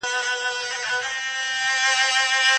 د کارګر خوله لا وچه نه وي مزد یې ورکړئ.